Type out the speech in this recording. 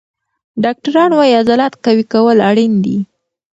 ډاکټران وایي عضلات قوي کول اړین دي.